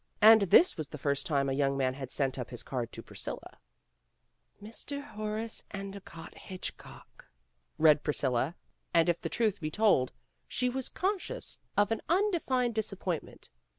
And this was the first time a young man had sent up his card to Priscilla. "Mr. Horace Endicott Hitchcock," read Priscilla, and if the truth be told, she was con scious of an undefined disappointment.